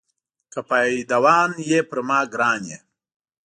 که پایدوان یې پر ما ګران یې.